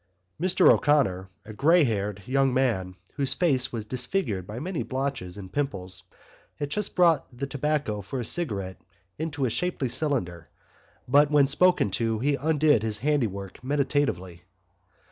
Mr O'Connor, a grey haired young man, whose face was disfigured by many blotches and pimples, had just brought the tobacco for a cigarette into a shapely cylinder but when spoken to he undid his handiwork meditatively.